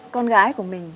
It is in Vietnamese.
con gái của mình